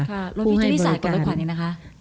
รถพี่เจ้านี่สะอาดกว่ารถขวานิดนะคะ